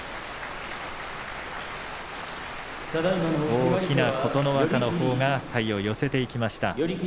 大きな琴ノ若のほうが体を寄せていきました。